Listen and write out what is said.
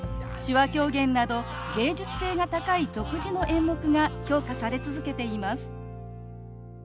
手話狂言など芸術性が高い独自の演目が評価され続けています。